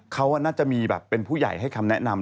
เขาน่าจะมีแบบเป็นผู้ใหญ่ให้คำแนะนำ